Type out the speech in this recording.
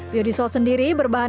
biodiesel sendiri berbahan